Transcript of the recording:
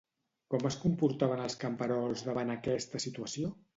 Com es comportaven els camperols davant aquesta situació?